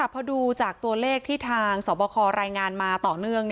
พอดูจากตัวเลขที่ทางสอบคอรายงานมาต่อเนื่อง